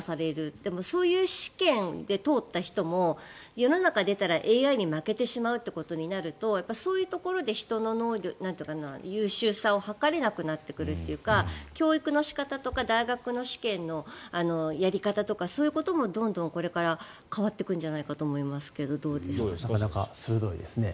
でも、そういう試験で通った人も世の中に出たら、ＡＩに負けてしまうということになるとそういうところで人の優秀さを測れなくなってくるというか教育の仕方とか大学の試験のやり方とかそういうこともこれからどんどん変わってくるんじゃないかと思いますが鋭いですね。